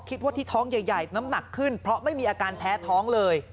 คิดว่าที่ท้องใหญ่น้ำหนักขึ้นเพราะไม่มีอาการแพ้ท้องเลย